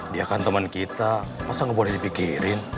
dia kan teman kita masa gak boleh dipikirin